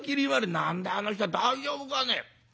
「何だあの人大丈夫かね？」。